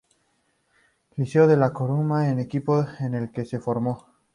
Liceo de La Coruña, equipo en el que se formó.